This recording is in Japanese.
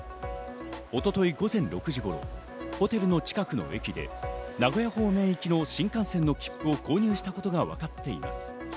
一昨日、午前６時頃、ホテルの近くの駅で名古屋方面行きの新幹線の切符を購入したことがわかっています。